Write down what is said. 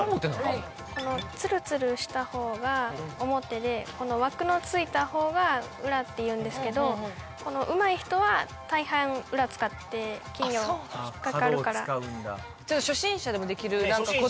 はいツルツルした方が表でこの枠のついた方が裏っていうんですけどうまい人は大半裏使って金魚引っかかるから・角を使うんだ